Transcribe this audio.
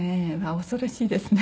恐ろしいですね。